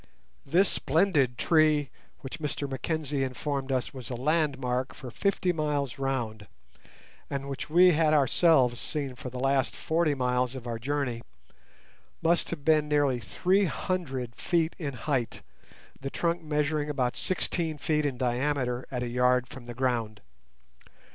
This splendid tree, which Mr Mackenzie informed us was a landmark for fifty miles round, and which we had ourselves seen for the last forty miles of our journey, must have been nearly three hundred feet in height, the trunk measuring about sixteen feet in diameter at a yard from the ground.